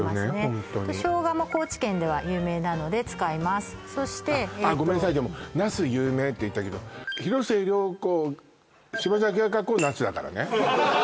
ホントに生姜も高知県では有名なので使いますそしてあっごめんなさいでもナス有名って言ったけどだからね